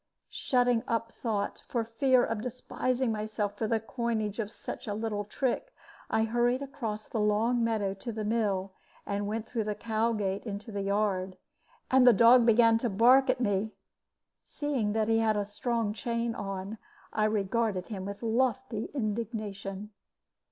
Shutting up thought, for fear of despising myself for the coinage of such a little trick, I hurried across the long meadow to the mill, and went through the cow gate into the yard, and the dog began to bark at me. Seeing that he had a strong chain on, I regarded him with lofty indignation.